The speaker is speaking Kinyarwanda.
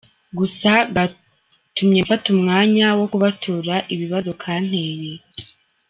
Gusa, gatumye mfata umwanya wo kubatura ibibazo kanteye.